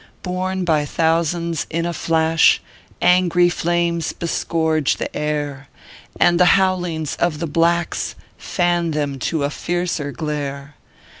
"Born by thousands in a flash, Angry flames bescourgo the air, And the bowlings of the blacks Fan them to a fiercer glare.